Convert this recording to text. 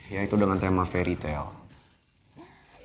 yaitu dengan tema fairy tale